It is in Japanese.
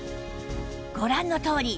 ご覧のとおり。